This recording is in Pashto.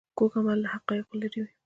کوږ عمل له حقایقو لیرې وي